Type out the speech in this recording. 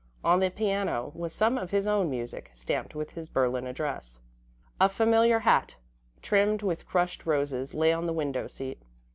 On the piano was some of his own music, stamped with his Berlin address. A familiar hat, trimmed with crushed roses, lay on the window seat.